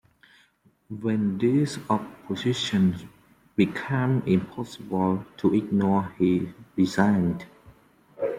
When this opposition became impossible to ignore, he resigned.